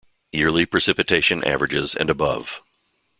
Yearly precipitation averages and above.